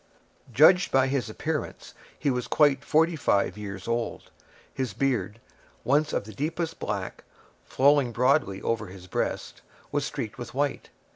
Judged by his appearance, he was quite forty five years old. His beard, once of the deepest black, flowing broadly over his breast, was streaked with white.